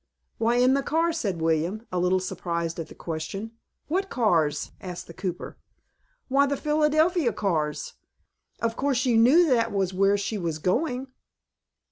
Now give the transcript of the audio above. "Why, in the cars," said William, a little surprised at the question. "What cars?" asked the cooper. "Why, the Philadelphia cars. Of course, you knew that was where she was going?"